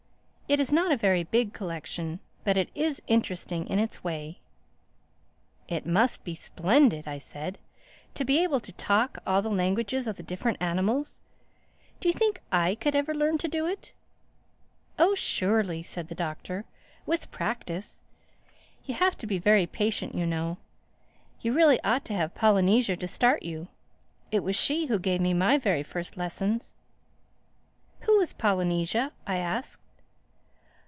It is not a very big collection but it is interesting in its way." "It must be splendid," I said, "to be able to talk all the languages of the different animals. Do you think I could ever learn to do it?" "Oh surely," said the Doctor—"with practise. You have to be very patient, you know. You really ought to have Polynesia to start you. It was she who gave me my first lessons." "Who is Polynesia?" I asked.